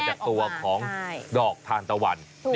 จากตัวของดอกทานตะวัน